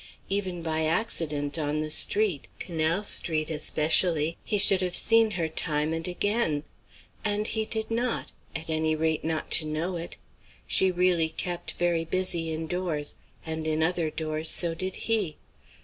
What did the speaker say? Even by accident, on the street, Canal Street especially, he should have seen her time and again. And he did not; at any rate not to know it. She really kept very busy indoors; and in other doors so did he.